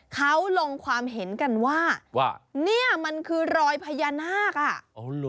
เขาลงความเห็นกันว่าว่าเนี่ยมันคือรอยพญานาคอ่ะ